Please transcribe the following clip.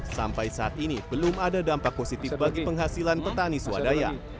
sampai saat ini belum ada dampak positif bagi penghasilan petani swadaya